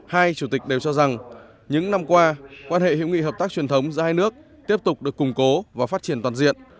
hai chủ tịch đều cho rằng những năm qua quan hệ hữu nghị hợp tác truyền thống giữa hai nước tiếp tục được củng cố và phát triển toàn diện